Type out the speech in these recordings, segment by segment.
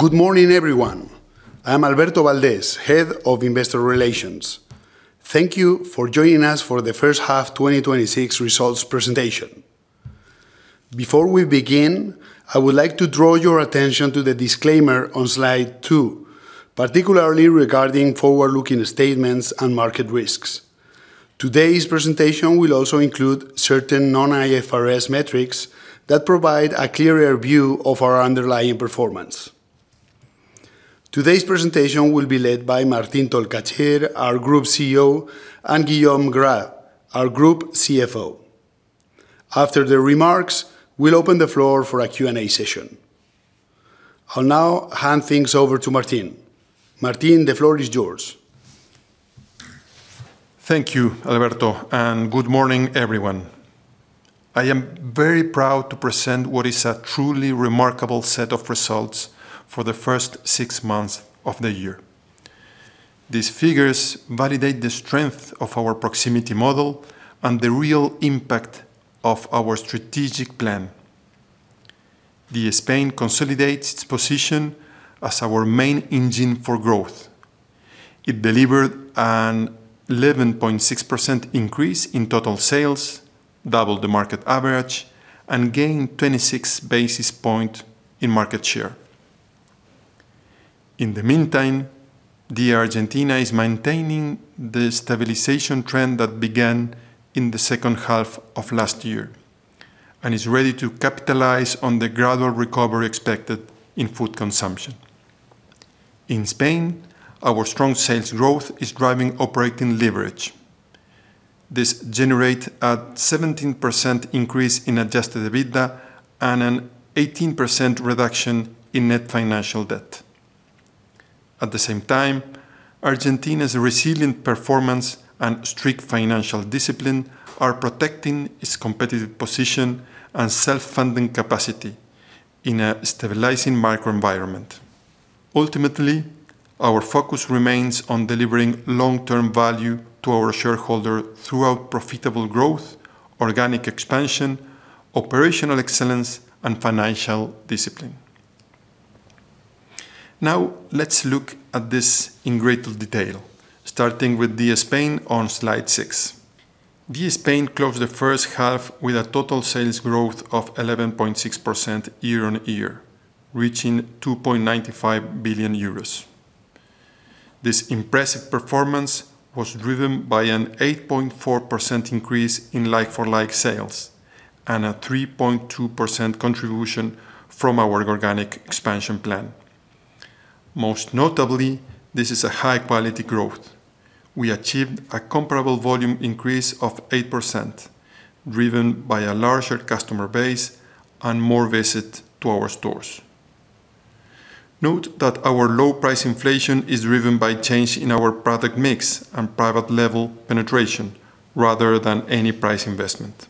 Good morning, everyone. I am Alberto Valdés, Head of Investor Relations. Thank you for joining us for the first half 2026 results presentation. Before we begin, I would like to draw your attention to the disclaimer on Slide 2. Particularly regarding forward-looking statements and market risks. Today's presentation will also include certain non-IFRS metrics that provide a clearer view of our underlying performance. Today's presentation will be led by Martín Tolcachir, our Group CEO, and Guillaume Gras, our Group CFO. After the remarks, we'll open the floor for a Q&A session. I'll now hand things over to Martín. Martín, the floor is yours. Thank you, Alberto. Good morning, everyone. I am very proud to present what is a truly remarkable set of results for the first six months of the year. These figures validate the strength of our proximity model and the real impact of our strategic plan. DIA Spain consolidates its position as our main engine for growth. It delivered an 11.6% increase in total sales, double the market average, and gained 26 basis points in market share. In the meantime, DIA Argentina is maintaining the stabilization trend that began in the second half of last year and is ready to capitalize on the gradual recovery expected in food consumption. In Spain, our strong sales growth is driving operating leverage. This generates a 17% increase in adjusted EBITDA and an 18% reduction in net financial debt. At the same time, Argentina's resilient performance and strict financial discipline are protecting its competitive position and self-funding capacity in a stabilizing macroenvironment. Ultimately, our focus remains on delivering long-term value to our shareholders throughout profitable growth, organic expansion, operational excellence and financial discipline. Now, let's look at this in greater detail, starting with DIA Spain on Slide 6. DIA Spain closed the first half with a total sales growth of 11.6% year-on-year, reaching 2.95 billion euros. This impressive performance was driven by an 8.4% increase in like-for-like sales and a 3.2% contribution from our organic expansion plan. Most notably, this is a high-quality growth. We achieved a comparable volume increase of 8%, driven by a larger customer base and more visits to our stores. Note that our low-price inflation is driven by change in our product mix and private label penetration rather than any price investment.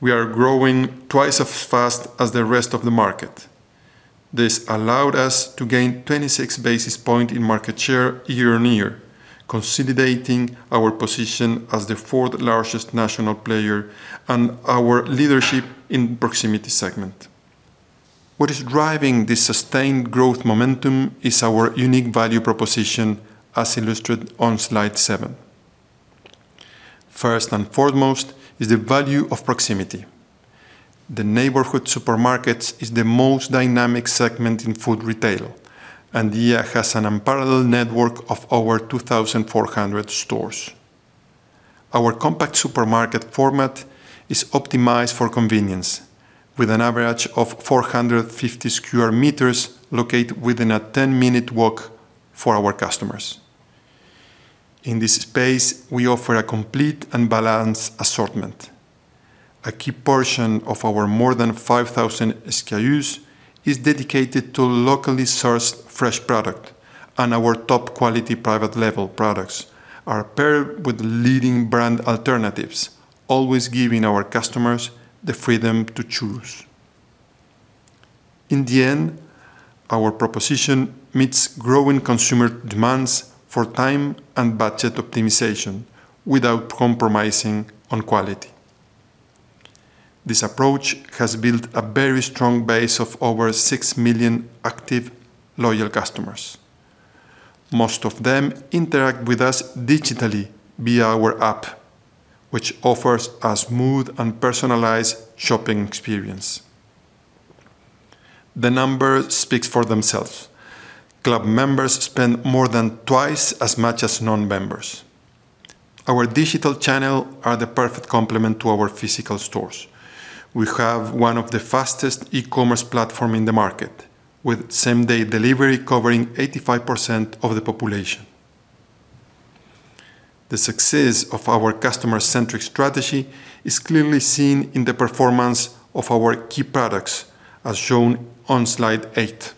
We are growing twice as fast as the rest of the market. This allowed us to gain 26 basis points in market share year-on-year, consolidating our position as the fourth largest national player and our leadership in the proximity segment. What is driving this sustained growth momentum is our unique value proposition, as illustrated on Slide 7. First and foremost is the value of proximity. The neighborhood supermarkets is the most dynamic segment in food retail, and DIA has an unparalleled network of over 2,400 stores. Our compact supermarket format is optimized for convenience, with an average of 450 sq m located within a 10-minute walk for our customers. In this space, we offer a complete and balanced assortment. A key portion of our more than 5,000 SKUs is dedicated to locally sourced fresh product. Our top-quality private label products are paired with leading brand alternatives, always giving our customers the freedom to choose. In the end, our proposition meets growing consumer demands for time and budget optimization without compromising on quality. This approach has built a very strong base of over 6 million active, loyal customers. Most of them interact with us digitally via our app, which offers a smooth and personalized shopping experience. The numbers speak for themselves. Club members spend more than twice as much as non-members. Our digital channels are the perfect complement to our physical stores. We have one of the fastest e-commerce platforms in the market, with same-day delivery covering 85% of the population. The success of our customer-centric strategy is clearly seen in the performance of our key products, as shown on Slide 8.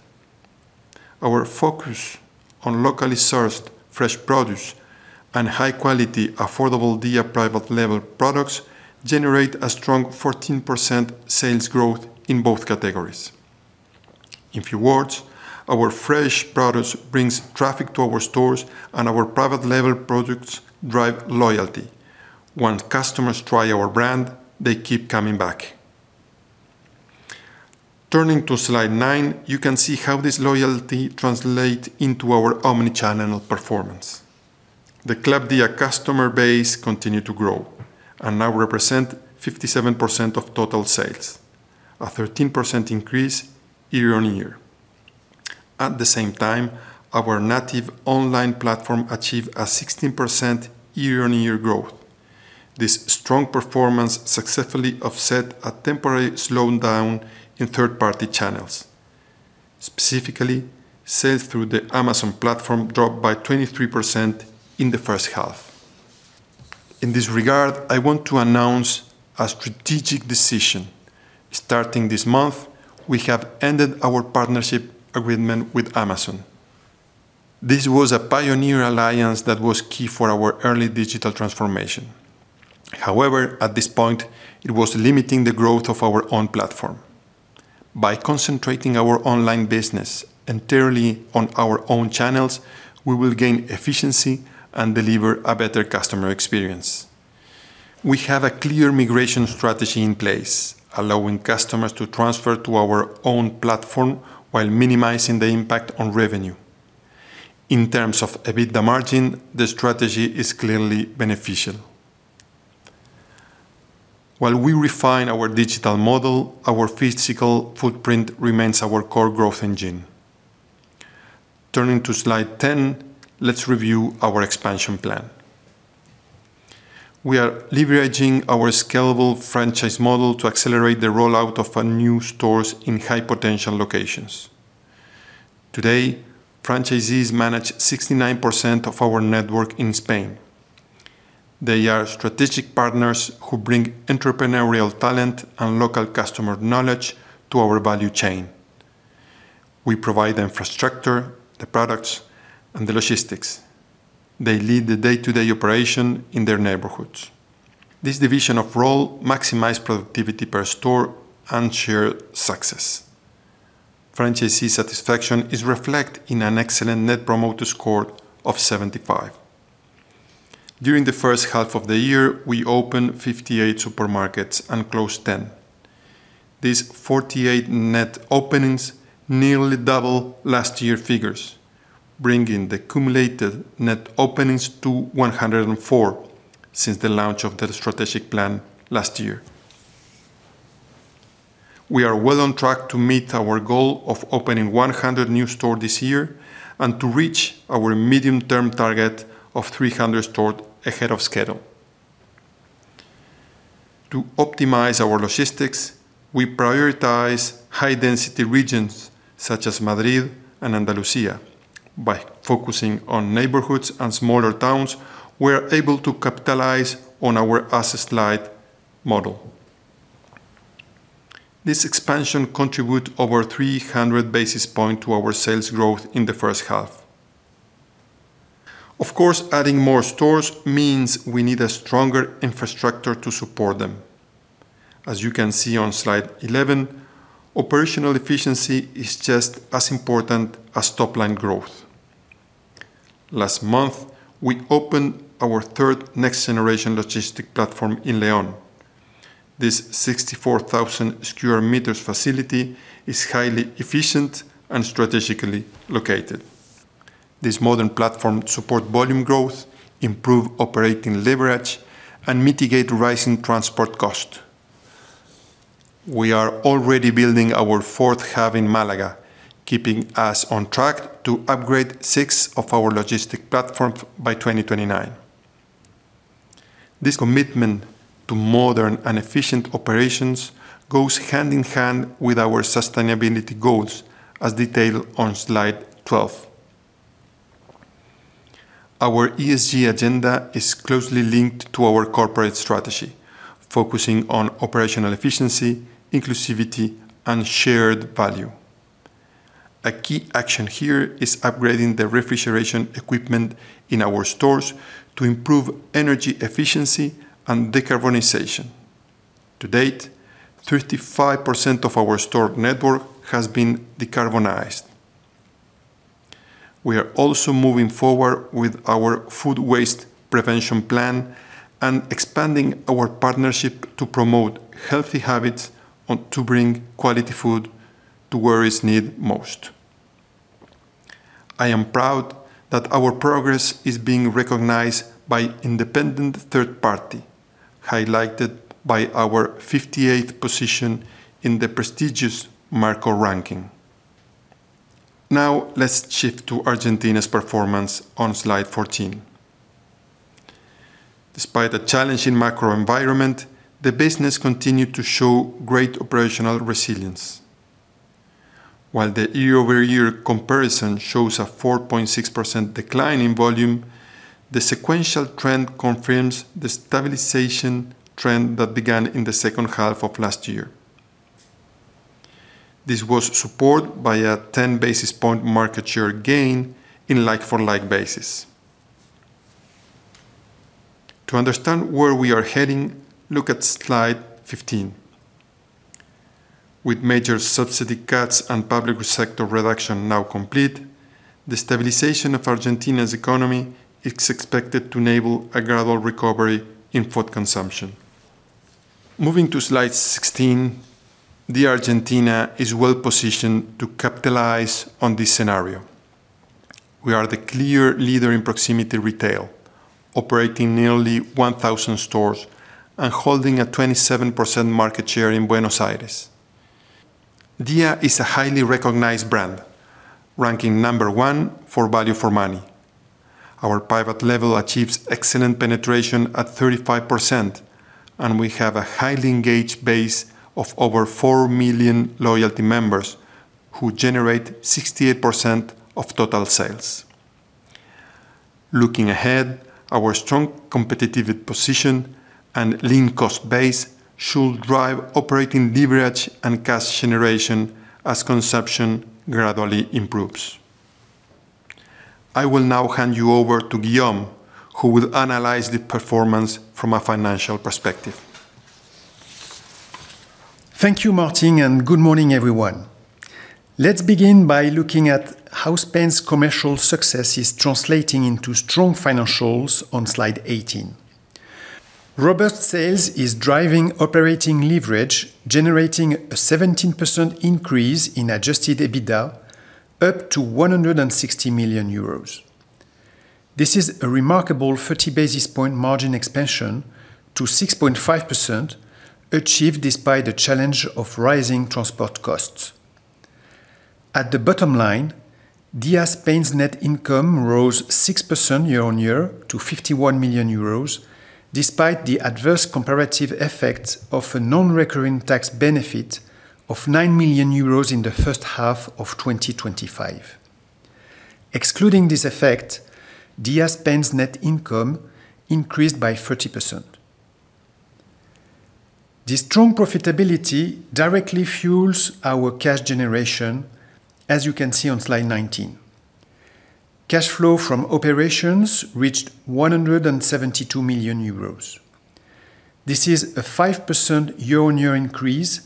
Our focus on locally sourced fresh produce and high-quality, affordable DIA private label products generate a strong 14% sales growth in both categories. In a few words, our fresh produce brings traffic to our stores. Our private label products drive loyalty. Once customers try our brand, they keep coming back. Turning to Slide 9, you can see how this loyalty translates into our omnichannel performance. The ClubDia customer base continued to grow and now represents 57% of total sales, a 13% increase year-on-year. At the same time, our native online platform achieved a 16% year-on-year growth. This strong performance successfully offset a temporary slowdown in third-party channels. Specifically, sales through the Amazon platform dropped by 23% in the first half. In this regard, I want to announce a strategic decision. Starting this month, we have ended our partnership agreement with Amazon. This was a pioneer alliance that was key for our early digital transformation. However, at this point, it was limiting the growth of our own platform. By concentrating our online business entirely on our own channels, we will gain efficiency and deliver a better customer experience. We have a clear migration strategy in place, allowing customers to transfer to our own platform while minimizing the impact on revenue. In terms of EBITDA margin, the strategy is clearly beneficial. While we refine our digital model, our physical footprint remains our core growth engine. Turning to Slide 10, let's review our expansion plan. We are leveraging our scalable franchise model to accelerate the rollout of new stores in high-potential locations. Today, franchisees manage 69% of our network in Spain. They are strategic partners who bring entrepreneurial talent and local customer knowledge to our value chain. We provide the infrastructure, the products, and the logistics. They lead the day-to-day operation in their neighborhoods. This division of role maximizes productivity per store and shared success. Franchisee satisfaction is reflected in an excellent Net Promoter Score of 75. During the first half of the year, we opened 58 supermarkets and closed 10. These 48 net openings nearly double last year's figures, bringing the cumulative net openings to 104 since the launch of the strategic plan last year. We are well on track to meet our goal of opening 100 new stores this year and to reach our medium-term target of 300 stores ahead of schedule. To optimize our logistics, we prioritize high-density regions such as Madrid and Andalusia. By focusing on neighborhoods and smaller towns, we're able to capitalize on our asset-light model. This expansion contributes over 300 basis points to our sales growth in the first half. Of course, adding more stores means we need a stronger infrastructure to support them. As you can see on Slide 11, operational efficiency is just as important as top-line growth. Last month, we opened our third next-generation logistic platform in León. This 64,000 sq m facility is highly efficient and strategically located. This modern platform supports volume growth, improves operating leverage, and mitigates rising transport costs. We are already building our fourth hub in Málaga, keeping us on track to upgrade six of our logistic platforms by 2029. This commitment to modern and efficient operations goes hand-in-hand with our sustainability goals, as detailed on Slide 12. Our ESG agenda is closely linked to our corporate strategy, focusing on operational efficiency, inclusivity, and shared value. A key action here is upgrading the refrigeration equipment in our stores to improve energy efficiency and decarbonization. To date, 35% of our store network has been decarbonized. We are also moving forward with our food waste prevention plan and expanding our partnership to promote healthy habits and to bring quality food to where it's needed most. I am proud that our progress is being recognized by independent third parties, highlighted by our 58th position in the prestigious Merco ranking. Now, let's shift to Argentina's performance on Slide 14. Despite a challenging macro environment, the business continued to show great operational resilience. While the year-over-year comparison shows a 4.6% decline in volume, the sequential trend confirms the stabilization trend that began in the second half of last year. This was supported by a 10-basis point market share gain in like-for-like basis. To understand where we are heading, look at Slide 15. With major subsidy cuts and public sector reduction now complete. The stabilization of Argentina's economy is expected to enable a gradual recovery in food consumption. Moving to Slide 16. DIA Argentina is well-positioned to capitalize on this scenario. We are the clear leader in proximity retail, operating nearly 1,000 stores and holding a 27% market share in Buenos Aires. DIA is a highly recognized brand, ranking number one for value for money. Our private label achieves excellent penetration at 35%, and we have a highly engaged base of over four million loyalty members who generate 68% of total sales. Looking ahead, our strong competitive position and lean cost base should drive operating leverage and cash generation as consumption gradually improves. I will now hand you over to Guillaume, who will analyze the performance from a financial perspective. Thank you, Martín, and good morning, everyone. Let's begin by looking at how Spain's commercial success is translating into strong financials on Slide 18. Robust sales is driving operating leverage, generating a 17% increase in adjusted EBITDA up to 160 million euros. This is a remarkable 30-basis point margin expansion to 6.5%, achieved despite the challenge of rising transport costs. At the bottom line, DIA Spain's net income rose 6% year-on-year to 51 million euros, despite the adverse comparative effect of a non-recurring tax benefit of 9 million euros in the first half of 2025. Excluding this effect, DIA Spain's net income increased by 30%. This strong profitability directly fuels our cash generation, as you can see on Slide 19. Cash flow from operations reached 172 million euros. This is a 5% year-on-year increase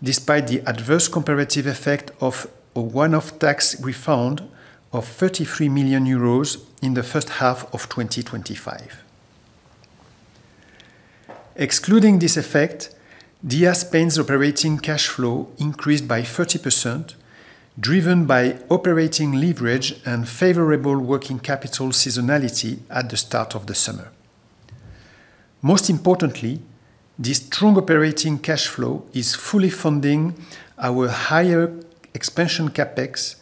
despite the adverse comparative effect of a one-off tax refund of 33 million euros in the first half of 2025. Excluding this effect, DIA Spain's operating cash flow increased by 30%, driven by operating leverage and favorable working capital seasonality at the start of the summer. Most importantly, this strong operating cash flow is fully funding our higher expansion CapEx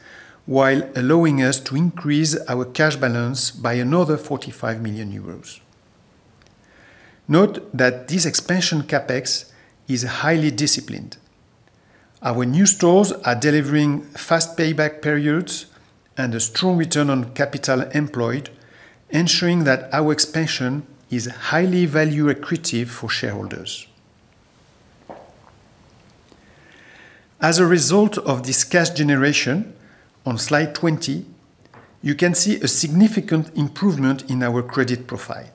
while allowing us to increase our cash balance by another 45 million euros. Note that this expansion CapEx is highly disciplined. Our new stores are delivering fast payback periods and a strong return on capital employed, ensuring that our expansion is highly value accretive for shareholders. As a result of this cash generation, on Slide 20, you can see a significant improvement in our credit profile.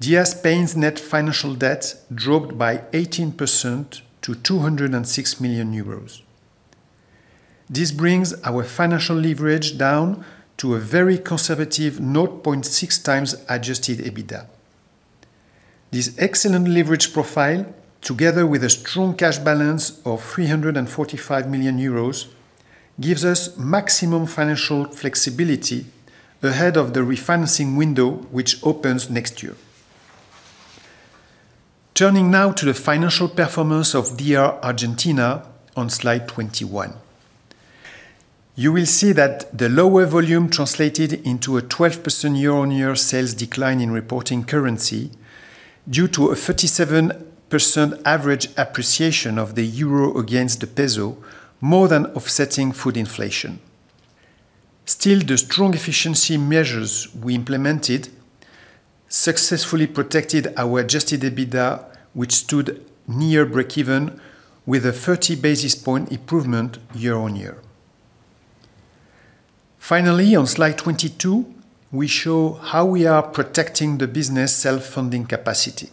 DIA Spain's net financial debt dropped by 18% to 206 million euros. This brings our financial leverage down to a very conservative 0.6 times adjusted EBITDA. This excellent leverage profile, together with a strong cash balance of 345 million euros, gives us maximum financial flexibility ahead of the refinancing window, which opens next year. Turning now to the financial performance of DIA Argentina on Slide 21. You will see that the lower volume translated into a 12% year-on-year sales decline in reporting currency due to a 37% average appreciation of the euro against the peso, more than offsetting food inflation. Still, the strong efficiency measures we implemented successfully protected our adjusted EBITDA, which stood near breakeven with a 30-basis point improvement year-on-year. Finally, on Slide 22, we show how we are protecting the business self-funding capacity.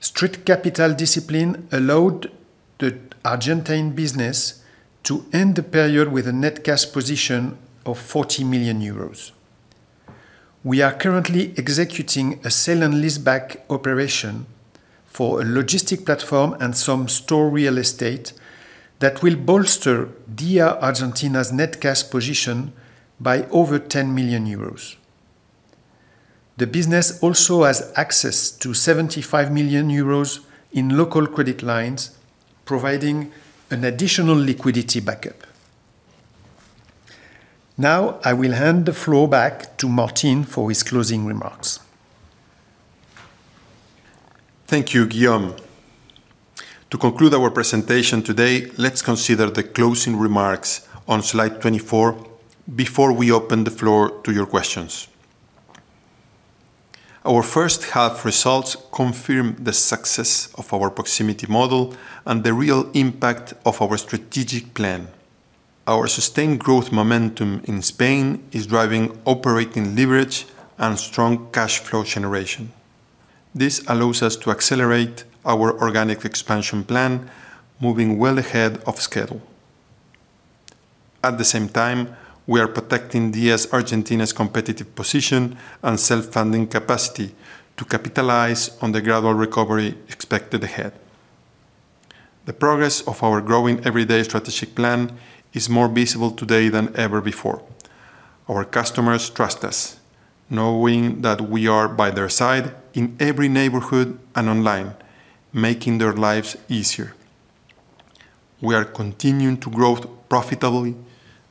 Strict capital discipline allowed the Argentine business to end the period with a net cash position of 40 million euros. We are currently executing a sale and leaseback operation for a logistic platform and some store real estate that will bolster DIA Argentina's net cash position by over 10 million euros. The business also has access to 75 million euros in local credit lines, providing an additional liquidity backup. Now, I will hand the floor back to Martín for his closing remarks. Thank you, Guillaume. To conclude our presentation today, let's consider the closing remarks on Slide 24 before we open the floor to your questions. Our first half results confirm the success of our proximity model and the real impact of our strategic plan. Our sustained growth momentum in Spain is driving operating leverage and strong cash flow generation. This allows us to accelerate our organic expansion plan, moving well ahead of schedule. At the same time, we are protecting DIA Argentina's competitive position and self-funding capacity to capitalize on the gradual recovery expected ahead. The progress of our Growing Everyday strategic plan is more visible today than ever before. Our customers trust us, knowing that we are by their side in every neighborhood and online, making their lives easier. We are continuing to grow profitably,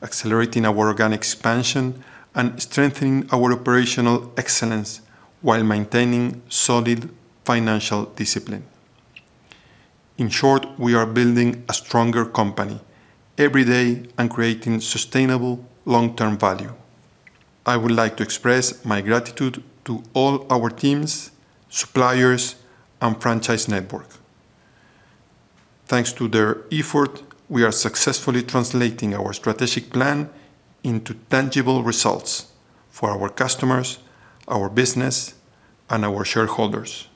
accelerating our organic expansion, and strengthening our operational excellence while maintaining solid financial discipline. In short, we are building a stronger company every day and creating sustainable long-term value. I would like to express my gratitude to all our teams, suppliers, and franchise network. Thanks to their effort, we are successfully translating our strategic plan into tangible results for our customers, our business, and our shareholders.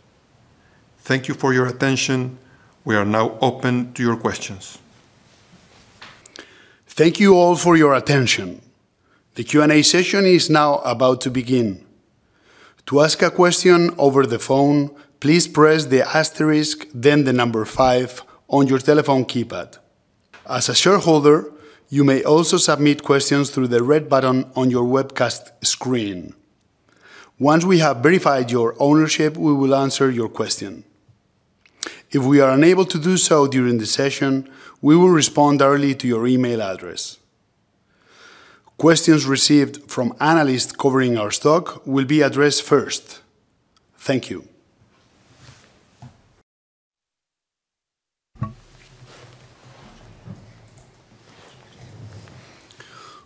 Thank you for your attention. We are now open to your questions. Thank you all for your attention. The Q&A session is now about to begin. To ask a question over the phone, please press the asterisk, then the number five on your telephone keypad. As a shareholder, you may also submit questions through the red button on your webcast screen. Once we have verified your ownership, we will answer your question. If we are unable to do so during the session, we will respond directly to your email address. Questions received from analysts covering our stock will be addressed first. Thank you.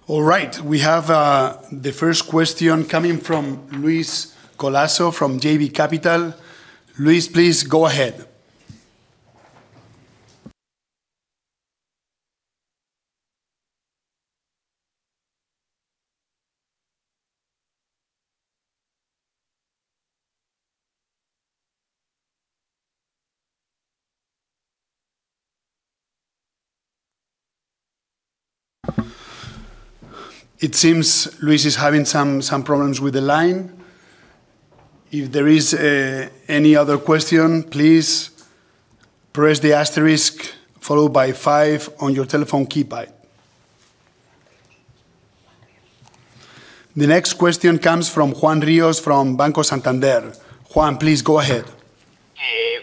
All right. We have the first question coming from Luis Colaço from JB Capital. Luis, please go ahead. It seems Luis is having some problems with the line. If there is any other question, please press the asterisk followed by five on your telephone keypad. The next question comes from Juan Rios from Banco Santander. Juan, please go ahead.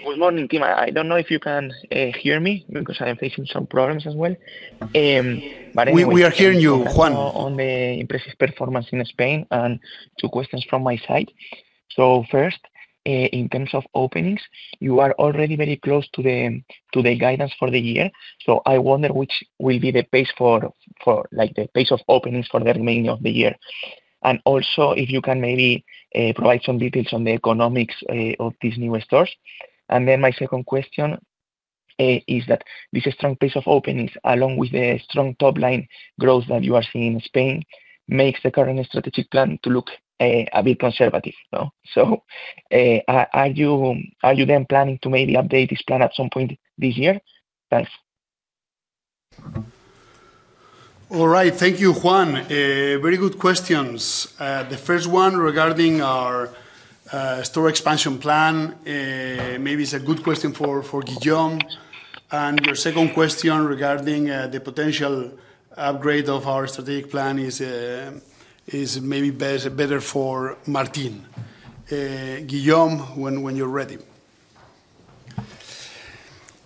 Good morning, team. I don't know if you can hear me because I am facing some problems as well. But anyway- We are hearing you, Juan. on the impressive performance in Spain and two questions from my side. First, in terms of openings, you are already very close to the guidance for the year. I wonder which will be the pace of openings for the remaining of the year. Also, if you can maybe provide some details on the economics of these newer stores. My second question is that this strong pace of openings, along with the strong top-line growth that you are seeing in Spain, makes the current strategic plan to look a bit conservative. Are you then planning to maybe update this plan at some point this year? Thanks. All right. Thank you, Juan. Very good questions. The first one regarding our store expansion plan, maybe it's a good question for Guillaume. Your second question regarding the potential upgrade of our strategic plan is maybe better for Martín. Guillaume, when you're ready.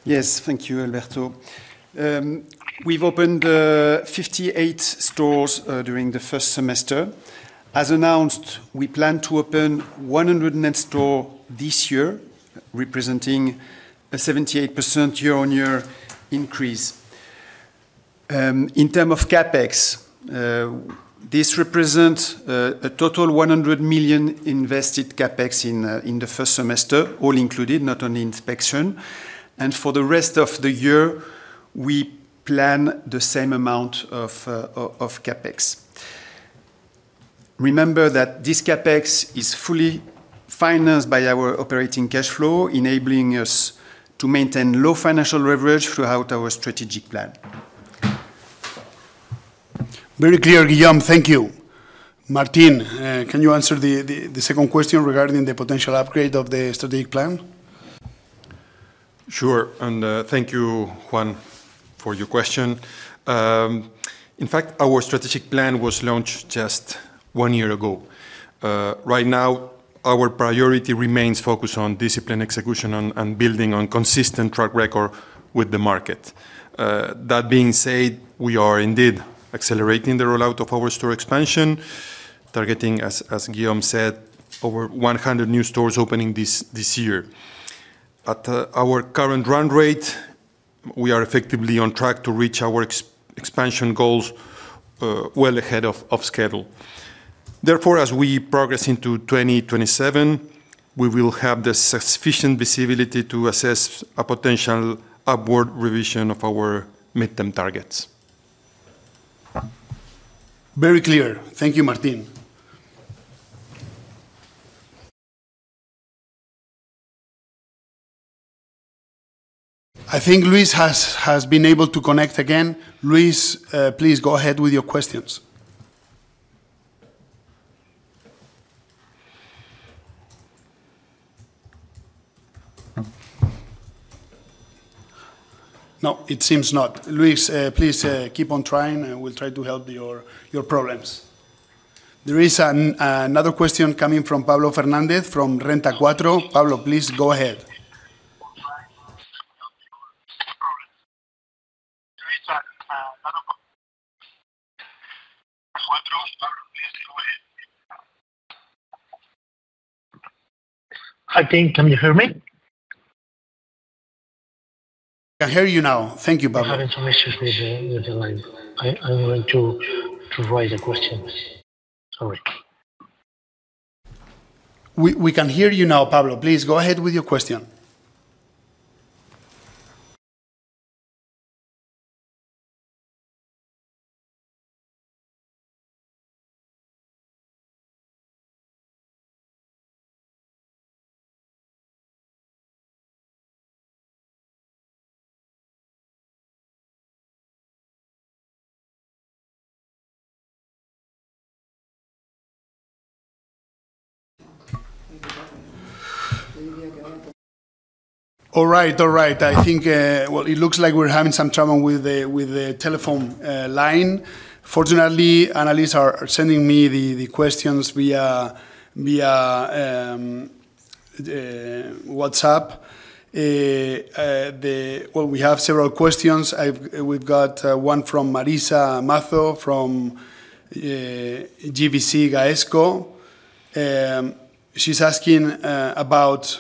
Yes. Thank you, Alberto. We've opened 58 stores during the first semester. As announced, we plan to open 100 net store this year, representing a 78% year-on-year increase. In term of CapEx, this represents a total 100 million invested CapEx in the first semester, all included, not only inspection. For the rest of the year, we plan the same amount of CapEx. Remember that this CapEx is fully financed by our operating cash flow, enabling us to maintain low financial leverage throughout our strategic plan. Very clear, Guillaume. Thank you. Martín, can you answer the second question regarding the potential upgrade of the strategic plan? Sure. Thank you, Juan, for your question. In fact, our strategic plan was launched just one year ago. Right now, our priority remains focused on discipline, execution, and building on consistent track record with the market. That being said, we are indeed accelerating the rollout of our store expansion, targeting, as Guillaume said, over 100 new stores opening this year. At our current run rate, we are effectively on track to reach our expansion goals well ahead of schedule. As we progress into 2027, we will have the sufficient visibility to assess a potential upward revision of our midterm targets. Very clear. Thank you, Martín. I think Luis has been able to connect again. Luis, please go ahead with your questions. No, it seems not. Luis, please keep on trying, and we'll try to help your problems. There is another question coming from Pablo Fernández from Renta 4. Pablo, please go ahead. Hi again. Can you hear me? I can hear you now. Thank you, Pablo. I'm having some issues with the line. I'm going to write the questions. Sorry. We can hear you now, Pablo. Please, go ahead with your question. All right. It looks like we're having some trouble with the telephone line. Fortunately, analysts are sending me the questions via WhatsApp. Well, we have several questions. We've got one from Marisa Mazo from GVC Gaesco. She's asking about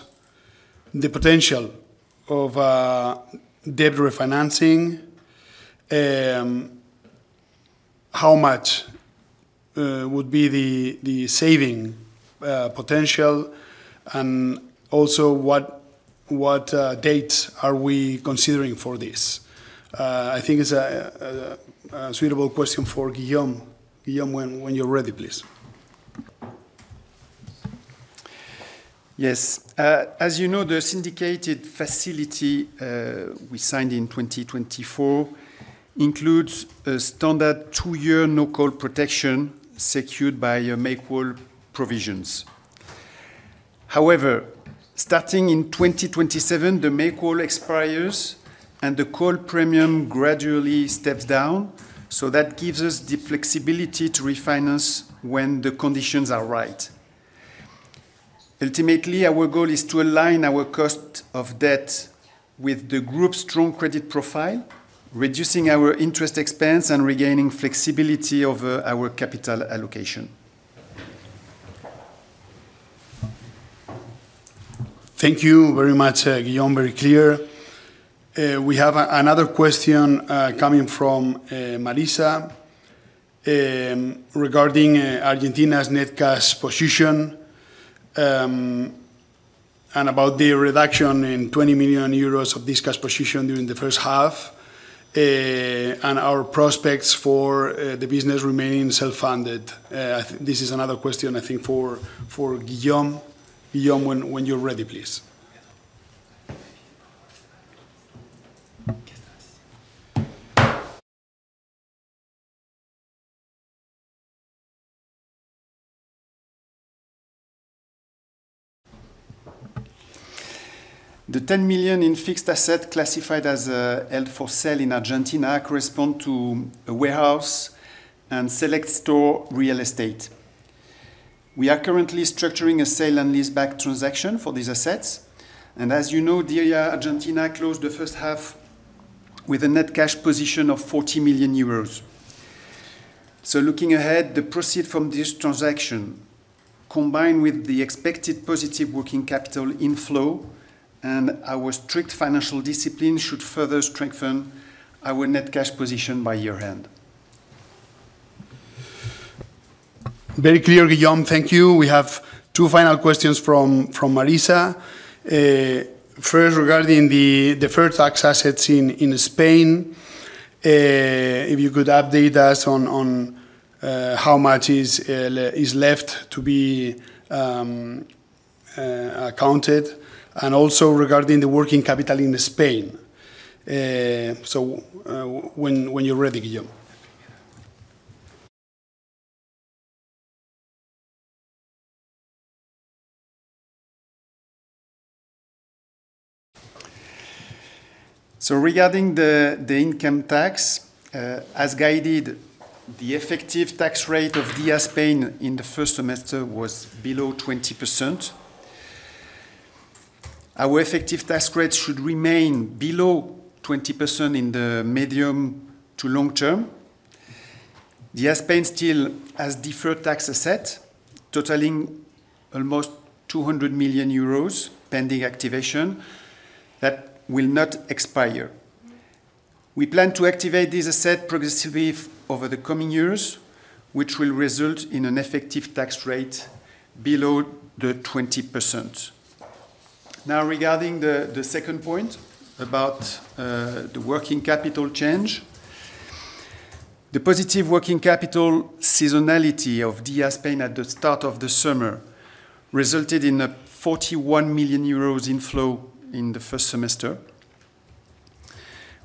the potential of debt refinancing, how much would be the saving potential, and also what date are we considering for this. I think it's a suitable question for Guillaume. Guillaume, when you're ready, please. Yes. As you know, the syndicated facility we signed in 2024 includes a standard two-year no-call protection secured by Make-Whole provisions. However, starting in 2027, the Make-Whole expires and the call premium gradually steps down, so that gives us the flexibility to refinance when the conditions are right. Ultimately, our goal is to align our cost of debt with the group's strong credit profile, reducing our interest expense and regaining flexibility over our capital allocation. Thank you very much, Guillaume. Very clear. We have another question coming from Marisa regarding Argentina's net cash position and about the reduction in 20 million euros of this cash position during the first half, and our prospects for the business remaining self-funded. This is another question, I think, for Guillaume. Guillaume, when you're ready, please. The 10 million in fixed asset classified as held for sale in Argentina correspond to a warehouse and select store real estate. We are currently structuring a sale and leaseback transaction for these assets. As you know, DIA Argentina closed the first half with a net cash position of 40 million euros. Looking ahead, the proceed from this transaction, combined with the expected positive working capital inflow and our strict financial discipline, should further strengthen our net cash position by year-end. Very clear, Guillaume. Thank you. We have two final questions from Marisa. First, regarding the deferred tax assets in Spain, if you could update us on how much is left to be accounted. Also, regarding the working capital in Spain. When you're ready, Guillaume. Regarding the income tax, as guided, the effective tax rate of DIA Spain in the first semester was below 20%. Our effective tax rate should remain below 20% in the medium to long term. DIA Spain still has deferred tax asset totaling almost 200 million euros pending activation that will not expire. We plan to activate this asset progressively over the coming years, which will result in an effective tax rate below the 20%. Now, regarding the second point about the working capital change. The positive working capital seasonality of DIA Spain at the start of the summer resulted in a 41 million euros inflow in the first semester.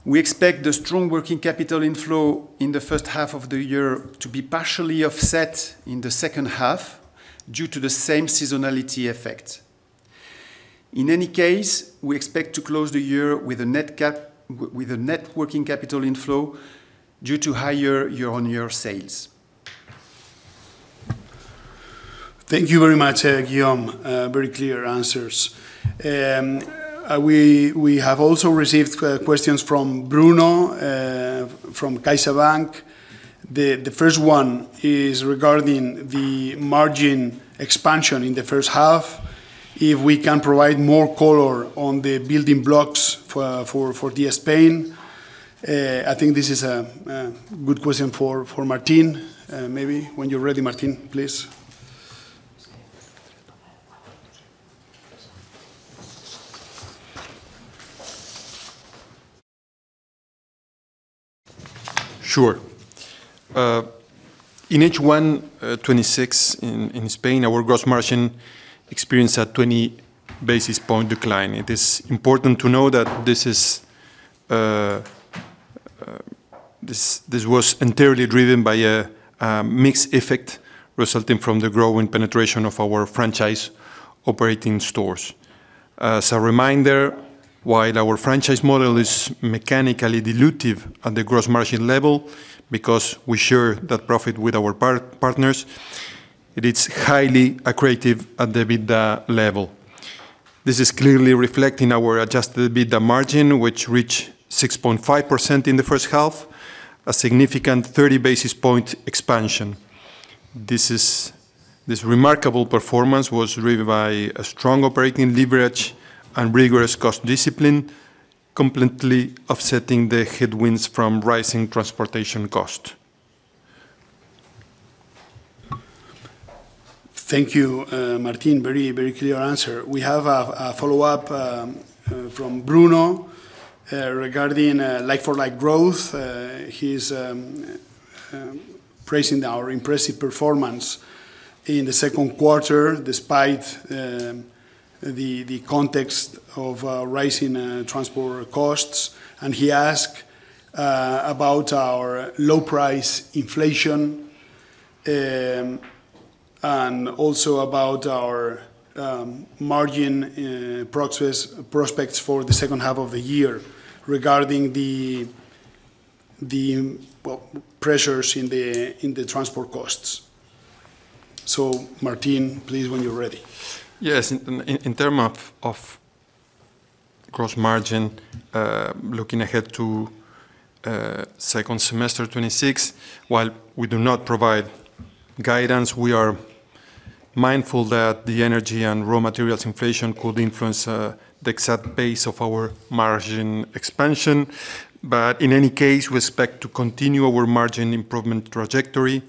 We expect the strong working capital inflow in the first half of the year to be partially offset in the second half due to the same seasonality effect. In any case, we expect to close the year with a net working capital inflow due to higher year-on-year sales. Thank you very much, Guillaume. Very clear answers. We have also received questions from Bruno, from CaixaBank. The first one is regarding the margin expansion in the first half. If we can provide more color on the building blocks for DIA Spain. I think this is a good question for Martín. Maybe when you're ready, Martín, please. Sure. In H1 2026 in Spain, our gross margin experienced a 20 basis point decline. It is important to know that this was entirely driven by a mixed effect resulting from the growing penetration of our franchise operating stores. As a reminder, while our franchise model is mechanically dilutive at the gross margin level because we share that profit with our partners, it is highly accretive at the EBITDA level. This is clearly reflected in our adjusted EBITDA margin, which reached 6.5% in the first half, a significant 30 basis point expansion. This remarkable performance was driven by a strong operating leverage and rigorous cost discipline, completely offsetting the headwinds from rising transportation cost. Thank you, Martín. Very clear answer. We have a follow-up from Bruno regarding like-for-like growth. He's praising our impressive performance in the second quarter, despite the context of rising transport costs. He asked about our low-price inflation and also about our margin prospects for the second half of the year, regarding the pressures in the transport costs. Martín, please, when you're ready. Yes. In terms of gross margin, looking ahead to second semester 2026, while we do not provide guidance, we are mindful that the energy and raw materials inflation could influence the exact base of our margin expansion. In any case, we expect to continue our margin improvement trajectory,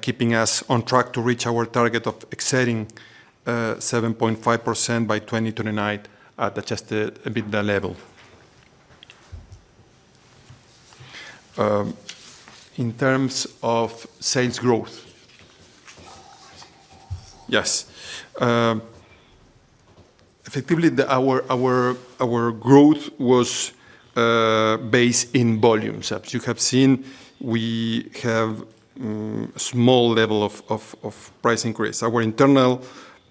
keeping us on track to reach our target of exceeding 7.5% by 2029 at adjusted EBITDA level. In terms of sales growth. Yes. Effectively, our growth was based in volume steps. You have seen we have small level of price increase. Our internal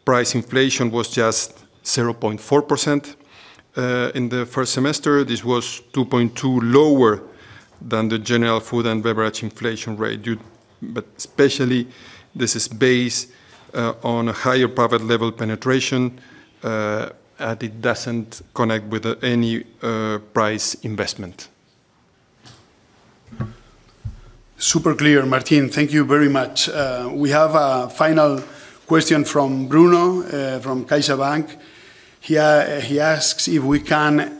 price inflation was just 0.4% in the first semester. This was 2.2 lower than the general food and beverage inflation rate. Especially, this is based on a higher private label penetration, and it doesn't connect with any price investment. Super clear, Martín. Thank you very much. We have a final question from Bruno, from CaixaBank. He asks if we can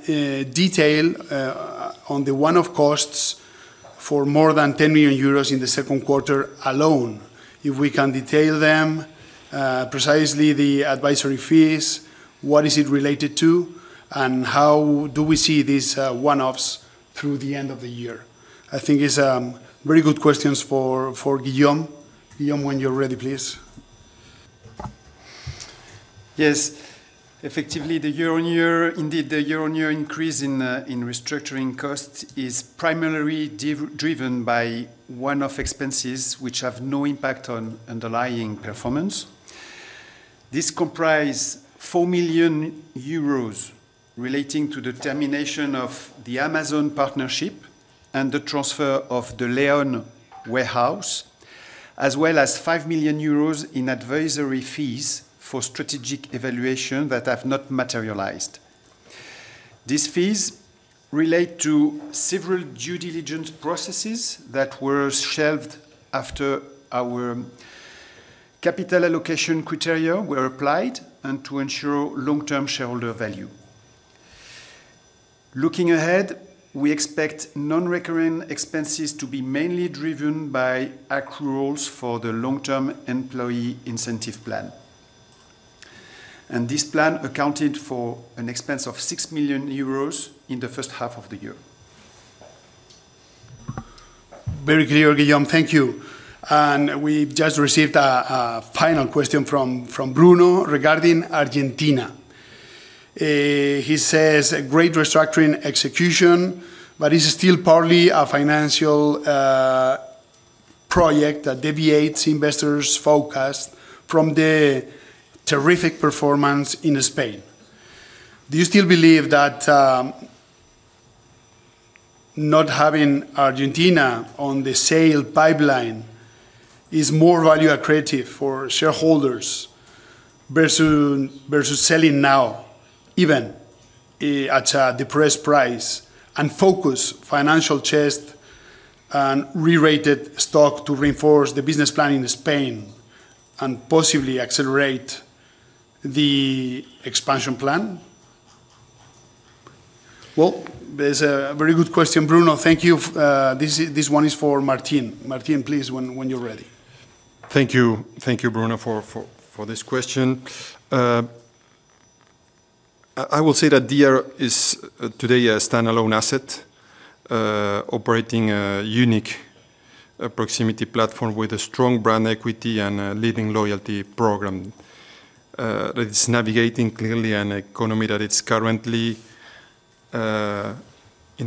detail on the one-off costs for more than 10 million euros in the second quarter alone. If we can detail them, precisely the advisory fees, what is it related to, and how do we see these one-offs through the end of the year? I think it's very good questions for Guillaume. Guillaume, when you're ready, please. Yes. Indeed, the year-on-year increase in restructuring costs is primarily driven by one-off expenses, which have no impact on underlying performance. This comprise 4 million euros relating to the termination of the Amazon partnership and the transfer of the León warehouse, as well as 5 million euros in advisory fees for strategic evaluation that have not materialized. These fees relate to several due diligence processes that were shelved after our capital allocation criteria were applied and to ensure long-term shareholder value. Looking ahead, we expect non-recurring expenses to be mainly driven by accruals for the long-term employee incentive plan. This plan accounted for an expense of 6 million euros in the first half of the year. Very clear, Guillaume. Thank you. We just received a final question from Bruno regarding Argentina. He says, "A great restructuring execution, but it's still partly a financial project that deviates investors' focus from the terrific performance in Spain. Do you still believe that not having Argentina on the sale pipeline is more value accretive for shareholders versus selling now, even at a depressed price, and focus financial chest and rerated stock to reinforce the business plan in Spain and possibly accelerate the expansion plan?" There's a very good question, Bruno. Thank you. This one is for Martín. Martín, please, when you're ready. Thank you, Bruno, for this question. I will say that DIA is today a standalone asset operating a unique proximity platform with a strong brand equity and a leading loyalty program that is navigating clearly an economy that is currently in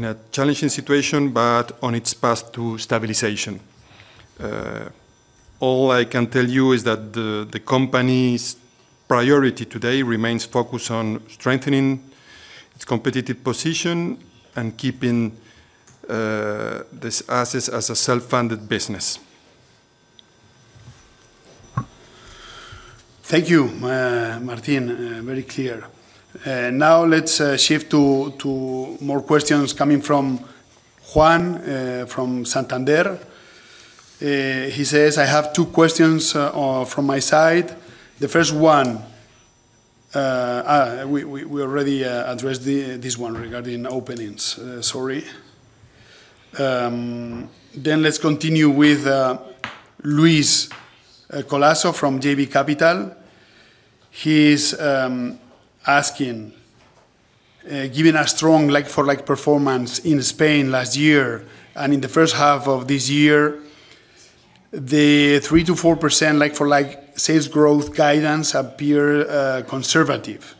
a challenging situation, but on its path to stabilization. All I can tell you is that the company's priority today remains focused on strengthening its competitive position and keeping this asset as a self-funded business. Thank you, Martín. Very clear. Let's shift to more questions coming from Juan from Banco Santander. He says, "I have two questions from my side. The first one." We already addressed this one regarding openings. Sorry. Let's continue with Luis Colaço from JB Capital. He's asking, "Given a strong like-for-like performance in Spain last year and in the first half of this year, the 3%-4% like-for-like sales growth guidance appear conservative.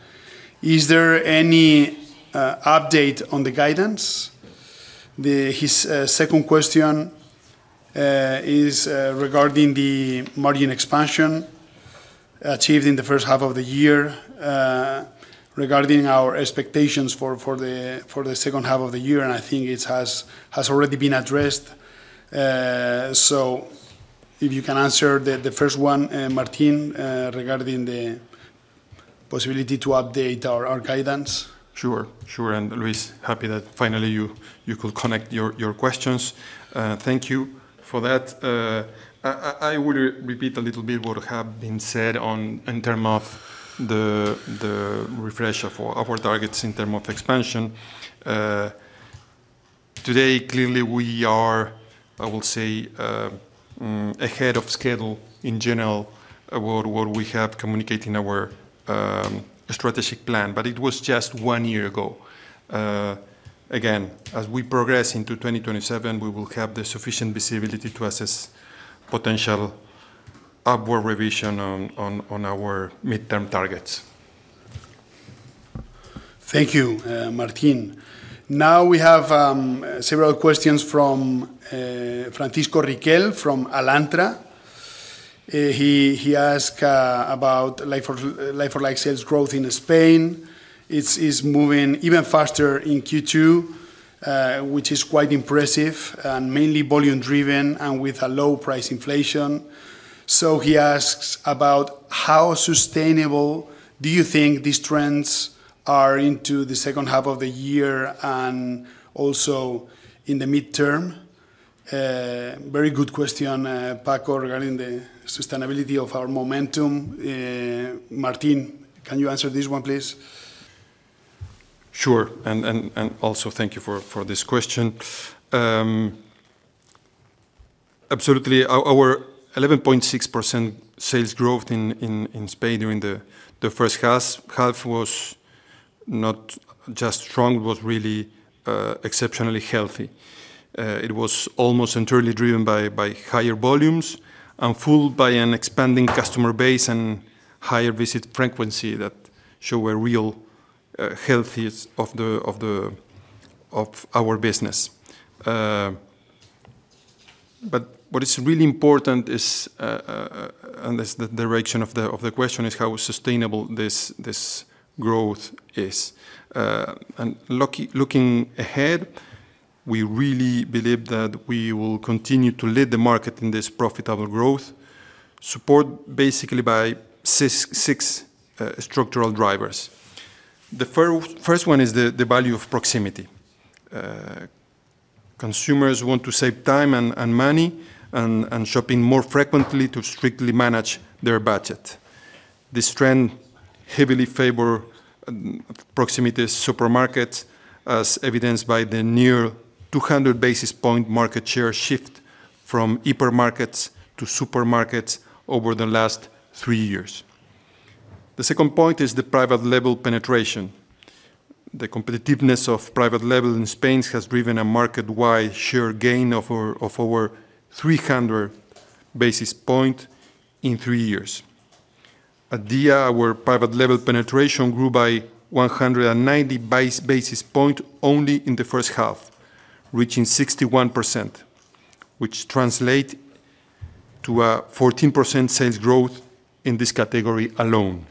Is there any update on the guidance?" His second question is regarding the margin expansion achieved in the first half of the year regarding our expectations for the second half of the year, and I think it has already been addressed. If you can answer the first one, Martín, regarding the possibility to update our guidance. Sure. Luis, happy that finally you could connect your questions. Thank you for that. I will repeat a little bit what has been said in terms of the refresh of our targets in term of expansion. Today, clearly, we are, I will say, ahead of schedule in general about what we have communicated in our strategic plan, but it was just one year ago. As we progress into 2027, we will have the sufficient visibility to assess potential upward revision on our midterm targets. Thank you, Martín. We have several questions from Francisco Riquel from Alantra. He ask about like-for-like sales growth in Spain. It's moving even faster in Q2, which is quite impressive, and mainly volume driven and with a low-price inflation. He asks about how sustainable do you think these trends are into the second half of the year and also in the midterm? Very good question, Paco, regarding the sustainability of our momentum. Martín, can you answer this one, please? Sure. Also, thank you for this question. Absolutely. Our 11.6% sales growth in Spain during the first half was not just strong, was really exceptionally healthy. It was almost entirely driven by higher volumes and fueled by an expanding customer base and higher visit frequency that show a real health of our business. What is really important is, and it's the direction of the question, is how sustainable this growth is. Looking ahead, we really believe that we will continue to lead the market in this profitable growth, supported basically by six structural drivers. The first one is the value of proximity. Consumers want to save time and money, and shopping more frequently to strictly manage their budget. This trend heavily favor proximity supermarkets, as evidenced by the near 200-basis-point market share shift from hypermarkets to supermarkets over the last three years. The second point is the private label penetration. The competitiveness of private label in Spain has driven a market-wide share gain of over 300 basis points in three years. At DIA, our private label penetration grew by 190 basis points only in the first half, reaching 61%, which translate to a 14% sales growth in this category alone.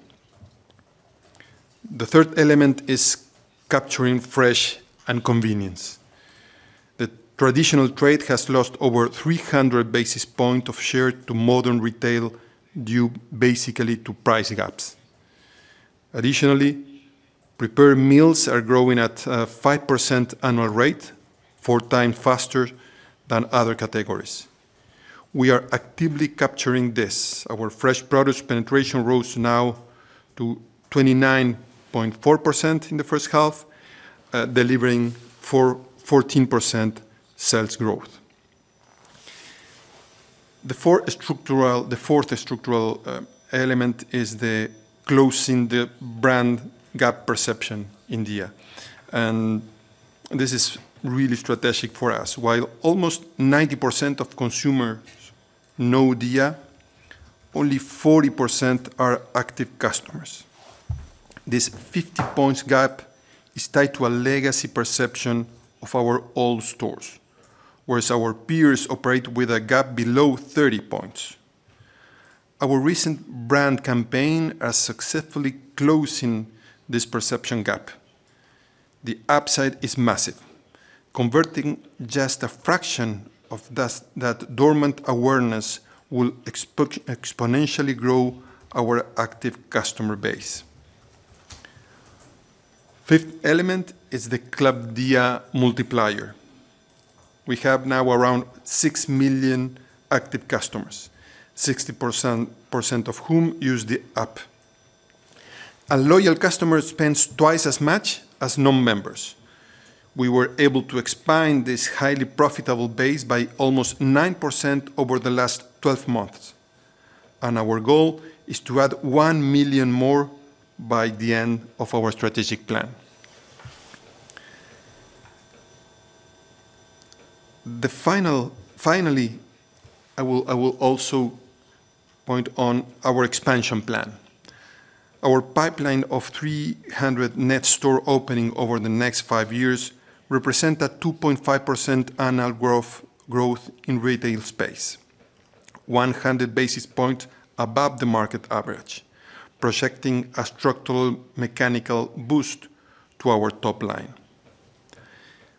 The third element is capturing fresh and convenience. The traditional trade has lost over 300 basis points of share to modern retail, due basically to pricing gaps. Additionally, prepared meals are growing at a 5% annual rate, four times faster than other categories. We are actively capturing this. Our fresh produce penetration rose now to 29.4% in the first half, delivering 14% sales growth. The fourth structural element is the closing the brand gap perception in DIA. This is really strategic for us. While almost 90% of consumers know DIA, only 40% are active customers. This 50-point gap is tied to a legacy perception of our old stores. Whereas our peers operate with a gap below 30 points. Our recent brand campaign are successfully closing this perception gap. The upside is massive. Converting just a fraction of that dormant awareness will exponentially grow our active customer base. Fifth element is the Club DIA multiplier. We have now around 6 million active customers, 60% of whom use the app. A loyal customer spends twice as much as non-members. We were able to expand this highly profitable base by almost 9% over the last 12 months. Our goal is to add 1 million more by the end of our strategic plan. Finally, I will also point to our expansion plan. Our pipeline of 300 net store openings over the next five years represents a 2.5% annual growth in retail space, 100 basis points above the market average, projecting a structural mechanical boost to our top line.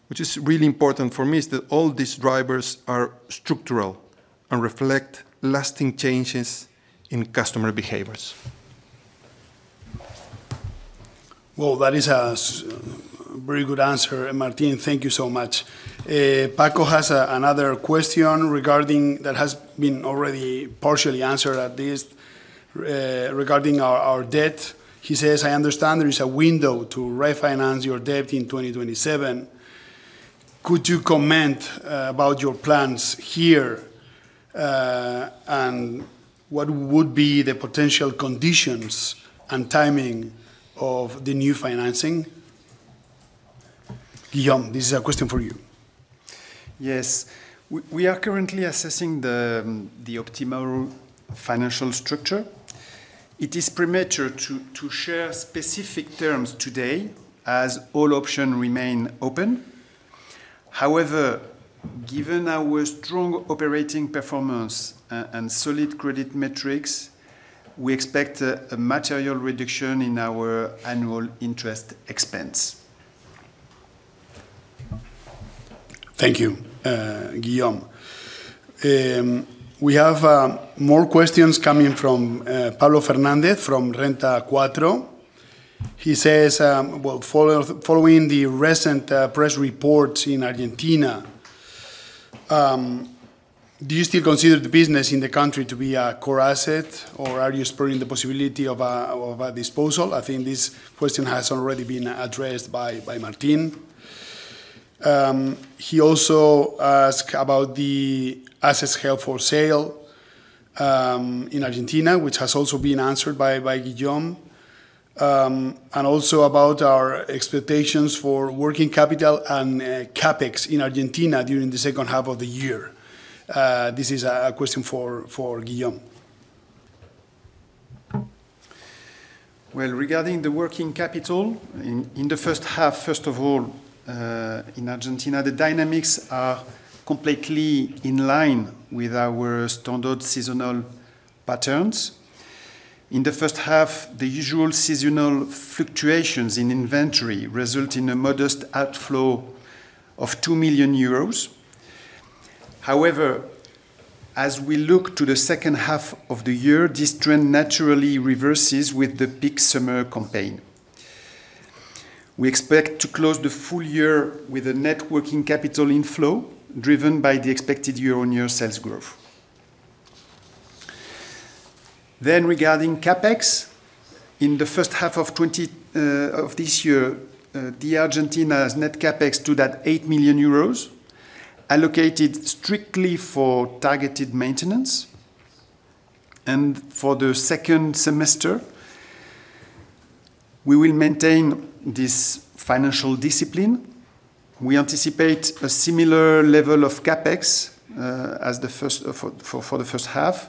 What is really important for me is that all these drivers are structural and reflect lasting changes in customer behaviors. Well, that is a very good answer, and Martín, thank you so much. Paco has another question that has been already partially answered, at least, regarding our debt. He says: I understand there is a window to refinance your debt in 2027. Could you comment about your plans here, and what would be the potential conditions and timing of the new financing? Guillaume, this is a question for you. Yes. We are currently assessing the optimal financial structure. It is premature to share specific terms today as all options remain open. However, given our strong operating performance and solid credit metrics, we expect a material reduction in our annual interest expense. Thank you, Guillaume. We have more questions coming from Pablo Fernández from Renta 4. He says: Well, following the recent press reports in Argentina, do you still consider the business in the country to be a core asset, or are you exploring the possibility of a disposal? I think this question has already been addressed by Martín. He also ask about the assets held for sale in Argentina, which has also been answered by Guillaume, and also about our expectations for working capital and CapEx in Argentina during the second half of the year. This is a question for Guillaume. Well, regarding the working capital in the first half, first of all, in Argentina, the dynamics are completely in line with our standard seasonal patterns. In the first half, the usual seasonal fluctuations in inventory result in a modest outflow of 2 million euros. However, as we look to the second half of the year, this trend naturally reverses with the peak summer campaign. We expect to close the full year with a net working capital inflow driven by the expected year-on-year sales growth. Regarding CapEx, in the first half of this year, DIA Argentina's net CapEx stood at 8 million euros, allocated strictly for targeted maintenance. For the second semester, we will maintain this financial discipline. We anticipate a similar level of CapEx as for the first half,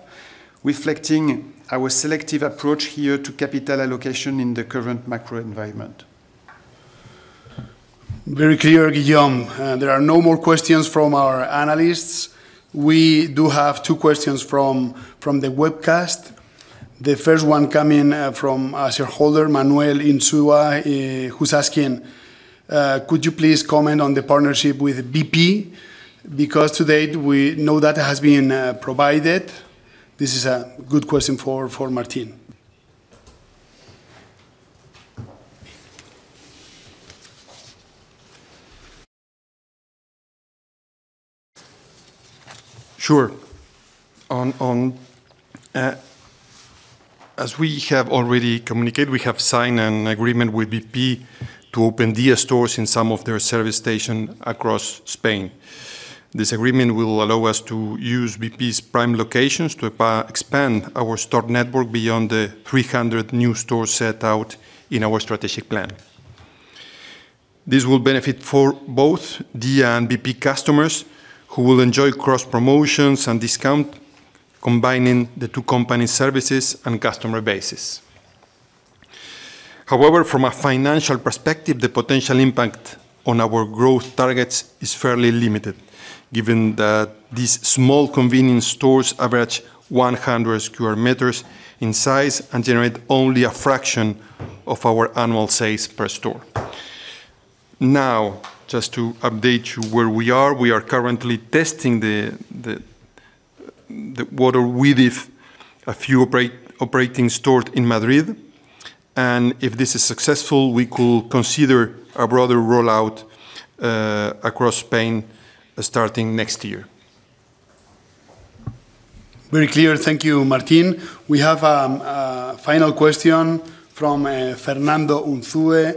reflecting our selective approach here to capital allocation in the current macroenvironment. Very clear, Guillaume. There are no more questions from our analysts. We do have two questions from the webcast. The first one coming from a shareholder, Manuel Unzué, who's asking, "Could you please comment on the partnership with BP? Because to date, we know that has been provided." This is a good question for Martín. Sure. As we have already communicated, we have signed an agreement with BP to open DIA stores in some of their service stations across Spain. This agreement will allow us to use BP's prime locations to expand our store network beyond the 300 new stores set out in our strategic plan. This will benefit for both DIA and BP customers, who will enjoy cross-promotions and discounts, combining the two company's services and customer bases. Just to update you where we are, we are currently testing what we did with a few operating stores in Madrid. If this is successful, we could consider a broader rollout across Spain starting next year. Very clear. Thank you, Martín. We have a final question from Fernando Unzué.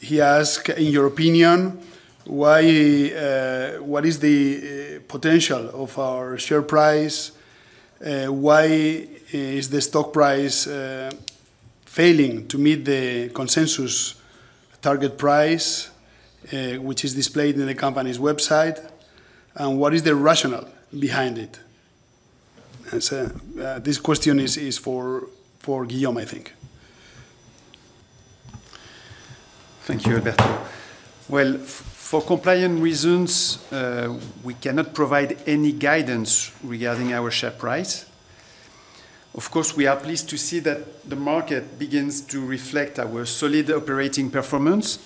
He asks, "In your opinion, what is the potential of our share price? Why is the stock price failing to meet the consensus target price, which is displayed on the company's website? And what is the rationale behind it?" This question is for Guillaume, I think. Thank you, Alberto. Well, for compliance reasons, we cannot provide any guidance regarding our share price. Of course, we are pleased to see that the market begins to reflect our solid operating performance.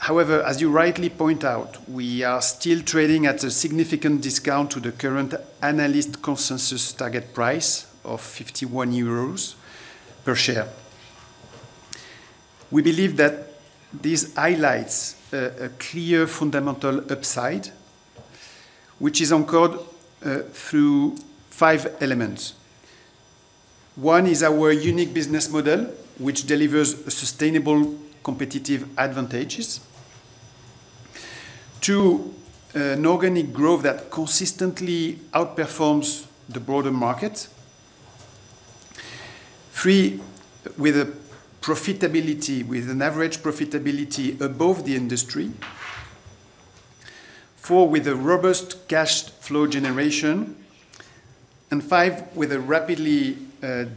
As you rightly point out, we are still trading at a significant discount to the current analyst consensus target price of 51 euros per share. We believe that this highlights a clear fundamental upside, which is anchored through five elements. One is our unique business model, which delivers sustainable competitive advantages. Two, an organic growth that consistently outperforms the broader market. Three, with an average profitability above the industry. Four, with a robust cash flow generation, and five, with a rapidly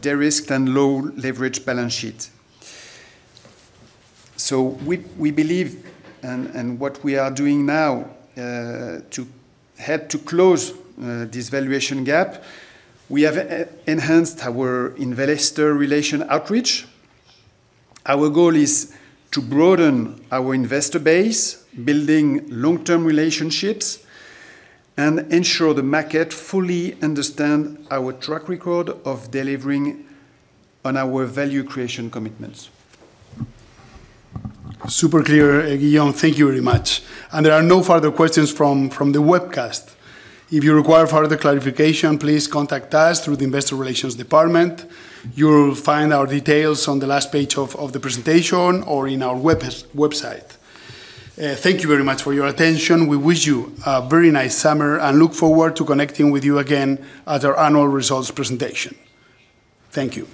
de-risked and low-leverage balance sheet. We believe, and what we are doing now to help to close this valuation gap, we have enhanced our investor relation outreach. Our goal is to broaden our investor base, building long-term relationships, and ensure the market fully understands our track record of delivering on our value creation commitments. Super clear, Guillaume. Thank you very much. There are no further questions from the webcast. If you require further clarification, please contact us through the investor relations department. You'll find our details on the last page of the presentation or on our website. Thank you very much for your attention. We wish you a very nice summer and look forward to connecting with you again at our annual results presentation. Thank you.